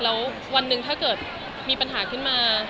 แล้ววันหนึ่งถ้าเกิดมีปัญหาขึ้นมา